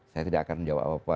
saya tidak akan menjawab apa apa